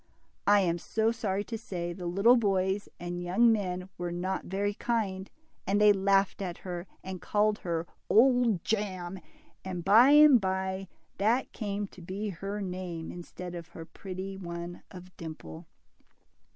I am sorry to say the little boys and young men were not very kind, and they laughed at her, and called her Old Jam," and by and by that came to be her name instead of her pretty one of Dimple.